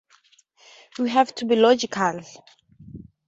We have to be logical.